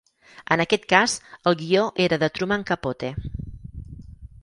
En aquest cas el guió era de Truman Capote.